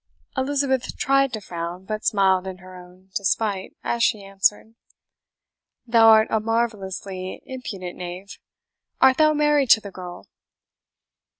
Elizabeth tried to frown, but smiled in her own despite, as she answered, "Thou art a marvellously impudent knave. Art thou married to the girl?"